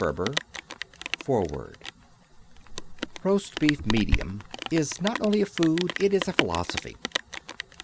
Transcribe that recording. ] FOREWORD Roast Beef, Medium, is not only a food. It is a philosophy.